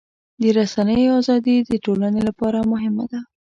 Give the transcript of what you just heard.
د رسنیو ازادي د ټولنې لپاره مهمه ده.